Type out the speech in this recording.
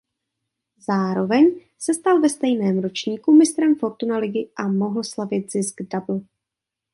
Zároveň se stal ve stejném ročníku mistrem Fortuna ligy a mohl slavit zisk double.